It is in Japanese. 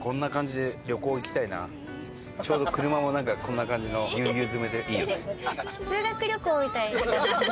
ちょうど車もこんな感じのギュウギュウ詰めでいいよね。